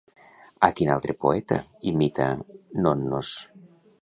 A quin altre poeta imita Nonnos?